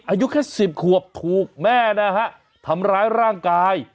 อายุแค่๑๐ขวบถูกแม่นะฮะทำร้ายร่างกาย